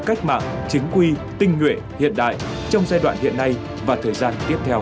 cách mạng chính quy tinh nguyện hiện đại trong giai đoạn hiện nay và thời gian tiếp theo